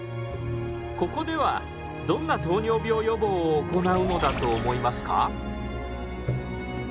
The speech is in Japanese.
ここではどんな糖尿病予防を行うのだと思いますか？